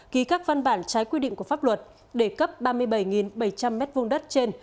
ký các văn bản trái quy định của pháp luật để cấp ba mươi bảy bảy trăm linh m hai đất trên